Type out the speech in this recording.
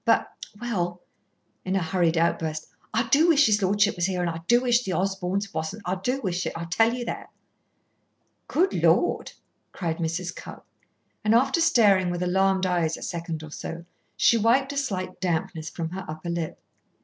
But well," in a hurried outburst, "I do wish his lordship was here, and I do wish the Osborns wasn't. I do wish it, I tell you that." "Good Lord!" cried Mrs. Cupp, and after staring with alarmed eyes a second or so, she wiped a slight dampness from her upper lip.